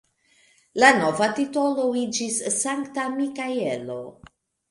La nova titolo iĝis Sankta Mikaelo.